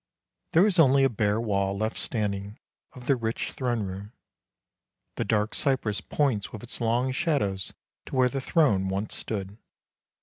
There is only a bare wall left standing of the rich throne room ; the dark cypress points with its long shadows to where the throne once stood.